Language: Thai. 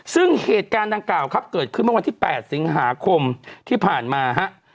ซึ่งเหตุการณ์ดังกล่าวครับเกิดขึ้นเมื่อวันที่๘สิงหาคมที่ผ่านมาฮะ